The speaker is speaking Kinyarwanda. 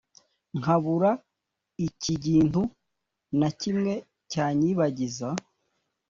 nkabura ikgintu na kimwe cyanyibagiza